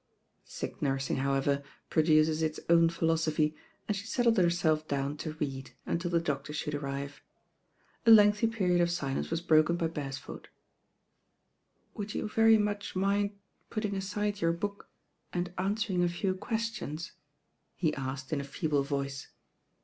Sick nursing, however, produces its own philosophy, and she settled herself down to read until the doctor should arrive. for^ '*"^^^^'"°^^"^^""^^^^^^'^ ^y ^*"»" "Would you very much mind putting aside your book and answering a few questions?" he asked in a feeble voice.